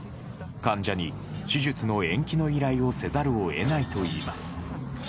患者に手術の延期の依頼をせざるをえないといいます。